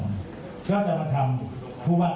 ก็จะมาทำผู้ว่า